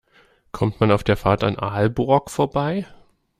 Kommt man auf der Fahrt an Aalborg vorbei?